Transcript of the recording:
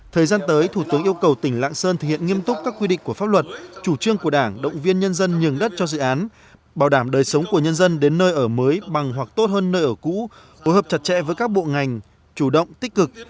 thời gian tới thủ tướng yêu cầu tỉnh lạng sơn thực hiện nghiêm túc các quy định của pháp luật chủ trương của đảng động viên nhân dân nhường đất cho dự án bảo đảm đời sống của nhân dân đến nơi ở mới bằng hoặc tốt hơn nơi ở cũ phối hợp chặt chẽ với các bộ ngành chủ động tích cực